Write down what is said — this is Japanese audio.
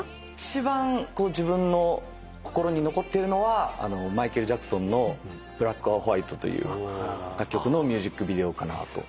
一番自分の心に残ってるのはマイケル・ジャクソンの『ＢＬＡＣＫＯＲＷＨＩＴＥ』という楽曲のミュージックビデオかなと。